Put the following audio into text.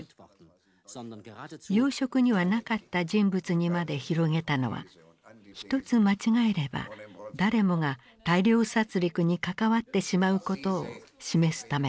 要職にはなかった人物にまで広げたのは一つ間違えれば誰もが大量殺りくに関わってしまうことを示すためだった。